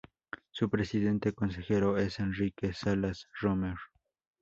Su Presidente Consejero es Henrique Salas Romer.